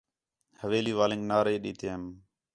حویلی والینک نعری ݙِیتم